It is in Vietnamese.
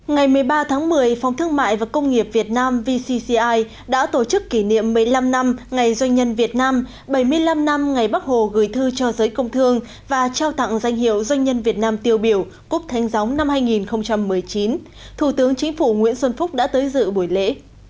ngày một mươi ba tháng một mươi phòng thương mại và công nghiệp việt nam vcci đã tổ chức kỷ niệm một mươi năm năm ngày doanh nhân việt nam bảy mươi năm năm ngày bắc hồ gửi thư cho giới công thương và trao tặng danh hiệu doanh nhân việt nam tiêu biểu cúp thánh gióng năm hai nghìn một mươi chín thủ tướng chính phủ nguyễn xuân phúc đã tới dự buổi lễ